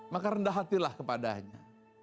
maka rendah hatilah kepadanya